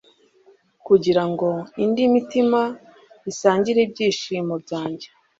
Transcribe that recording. kugira ngo indi mitima isangire ibyishimo byanjye